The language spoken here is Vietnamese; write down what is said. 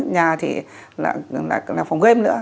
nhà thì là phòng game nữa